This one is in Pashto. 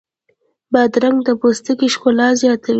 بادرنګ د پوستکي ښکلا زیاتوي.